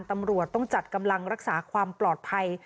ตำรวจต้องจัดกำลังรักษาความปลอดภัย